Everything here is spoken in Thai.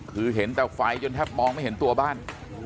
คือเห็นแต่ไฟจนแทบมองไม่เห็นตัวบ้าน